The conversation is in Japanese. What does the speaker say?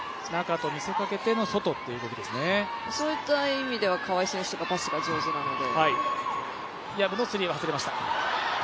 そういった意味では川井選手パスが上手なので。